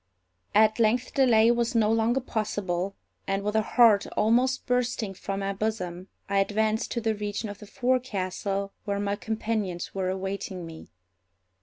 At length delay was no longer possible, and, with a heart almost bursting from my bosom, I advanced to the region of the forecastle, where my companions were awaiting me.